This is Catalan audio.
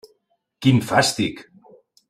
Quin fàstic!